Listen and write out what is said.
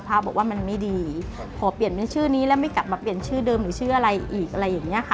พระบอกว่ามันไม่ดีพอเปลี่ยนเป็นชื่อนี้แล้วไม่กลับมาเปลี่ยนชื่อเดิมหรือชื่ออะไรอีกอะไรอย่างเงี้ยค่ะ